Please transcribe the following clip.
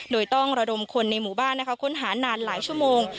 โดยต้องระดมคนในหมู่บ้านค้นหานานหลายชั่วโมง